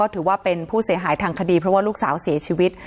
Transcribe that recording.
ถือว่าเป็นผู้เสียหายทางคดีเพราะว่าลูกสาวเสียชีวิต